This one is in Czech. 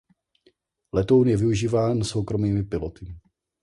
Letoun je využíván soukromými piloty.